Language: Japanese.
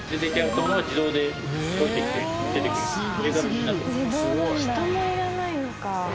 人もいらないのか。